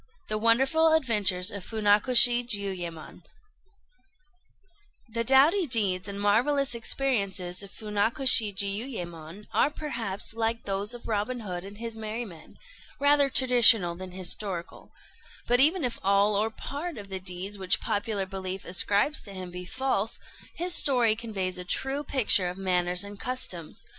THE WONDERFUL ADVENTURES OF FUNAKOSHI JIUYÉMON The doughty deeds and marvellous experiences of Funakoshi Jiuyémon are perhaps, like those of Robin Hood and his Merry Men, rather traditional than historical; but even if all or part of the deeds which popular belief ascribes to him be false, his story conveys a true picture of manners and customs.